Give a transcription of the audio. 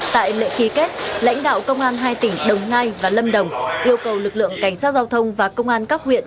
tại lệ ký kết lãnh đạo công an hai tỉnh đồng nai và lâm đồng yêu cầu lực lượng cảnh sát giao thông và công an các huyện